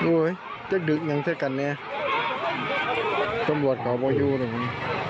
โอ้ยเด็กดึกเหมือนเทศกัณฑ์เนี้ยสมวัตย์ของตัวคนนัน